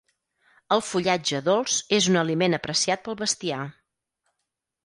El fullatge dolç és un aliment apreciat pel bestiar.